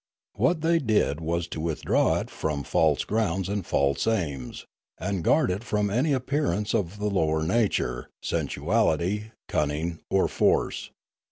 What they did was to with draw it from false grounds and false aims, and guard it from any appearance of the lower nature, sensuality, cunning, or force.